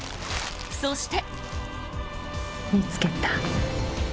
そして。